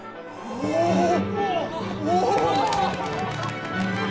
おお！